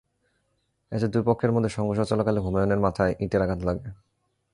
এতে দুই পক্ষের মধ্যে সংঘর্ষ চলাকালে হুমায়ুনের মাথায় ইটের আঘাত লাগে।